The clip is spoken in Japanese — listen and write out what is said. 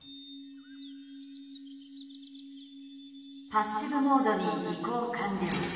「パッシブモードに移行完了。